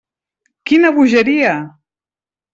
Quina bogeria!